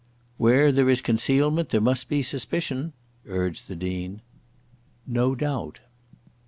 "Where there is concealment there must be suspicion," urged the Dean. "No doubt."